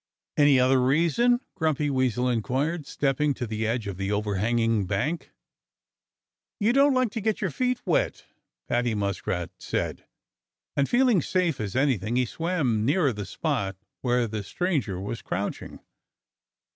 "Any other reason?" Grumpy Weasel inquired, stepping to the edge of the overhanging bank. "You don't like to get your feet wet," Paddy Muskrat said. And feeling safe as anything, he swam nearer the spot where the stranger was crouching.